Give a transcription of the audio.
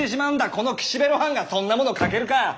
この岸辺露伴がそんなものを描けるかッ！